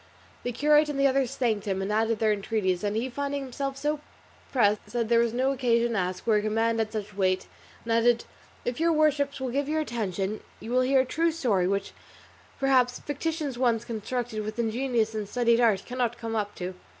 The curate and the others thanked him and added their entreaties, and he finding himself so pressed said there was no occasion to ask, where a command had such weight, and added, "If your worships will give me your attention you will hear a true story which, perhaps, fictitious ones constructed with ingenious and studied art cannot come up to."